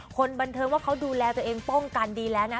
คนบันเทิงว่าเขาดูแลตัวเองป้องกันดีแล้วนะ